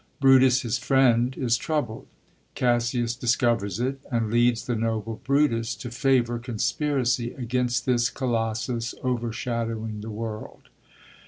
Brutus, his friend, is troubled; Cassius discovers it, and leads the noble Brutus to favor con spiracy against this colossus overshadowing the world.